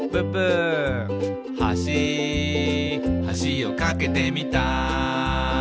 「はしはしを架けてみた」